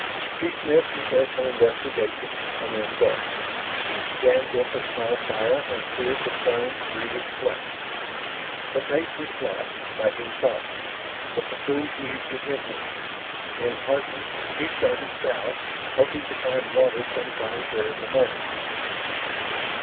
She sniffed in careful investigation and then gulped. Shann built a small fire and seared the firm greenish flesh. The taste was flat, lacking salt, but the food eased his emptiness. Enheartened, he started south, hoping to find water sometime during the morning.